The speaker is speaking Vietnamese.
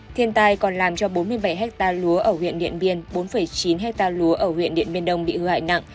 thiên tai còn làm cho bốn mươi bảy ha lúa ở huyện điện biên bốn chín hectare lúa ở huyện điện biên đông bị hư hại nặng